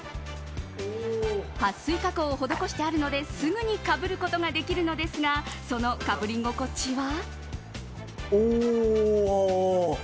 撥水加工を施してあるのですぐにかぶることができるのですがそのかぶり心地は。